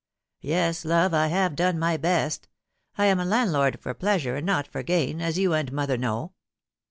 " Yes, love, I have done my best. I am a landlord for plea sure and not for gain, as you and mother know."